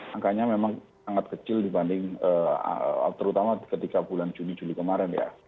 angkanya memang sangat kecil dibanding terutama ketika bulan juni juli kemarin ya